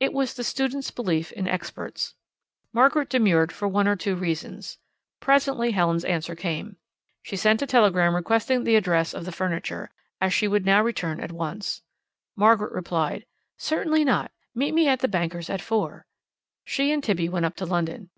It was the student's belief in experts. Margaret demurred for one or two reasons. Presently Helen's answer came. She sent a telegram requesting the address of the furniture, as she would now return at once. Margaret replied, "Certainly not; meet me at the bankers at four." She and Tibby went up to London.